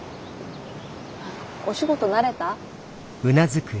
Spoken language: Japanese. お仕事慣れた？